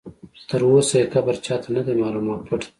تر اوسه یې قبر چا ته نه دی معلوم او پټ دی.